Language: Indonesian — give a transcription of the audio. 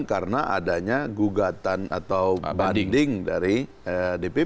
karena adanya gugatan atau banding dari dpp